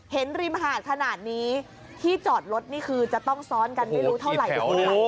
ริมหาดขนาดนี้ที่จอดรถนี่คือจะต้องซ้อนกันไม่รู้เท่าไหร่